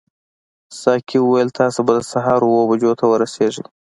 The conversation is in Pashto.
ساقي وویل تاسي به د سهار اوو بجو ته ورسیږئ.